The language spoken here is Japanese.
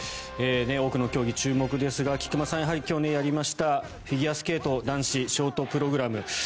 多くの競技注目ですが菊間さん、やはり今日やりましたフィギュアスケート男子ショートプログラム。